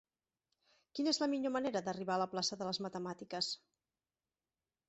Quina és la millor manera d'arribar a la plaça de les Matemàtiques?